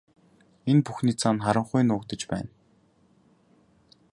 Энэ бүхний цаана харанхуй нуугдаж байна.